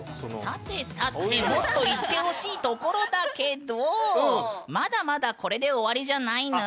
さてさてもっといってほしいところだけどまだまだこれで終わりじゃないぬん。